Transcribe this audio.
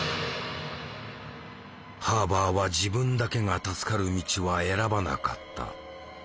ハーバーは自分だけが助かる道は選ばなかった。